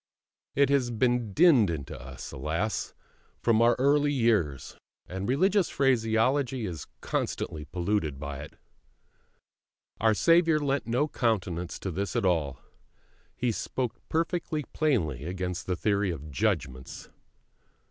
It has been dinned into us, alas, from our early years, and religious phraseology is constantly polluted by it. Our Saviour lent no countenance to this at all; He spoke perfectly plainly against the theory of "judgments."